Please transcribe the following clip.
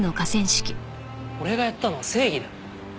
俺がやったのは正義だ。